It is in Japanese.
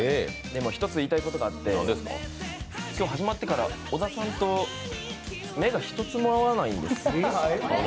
でも１つ言いたいことがあって、今日、始まってから、小田さんと目が一つも合わないんですよ。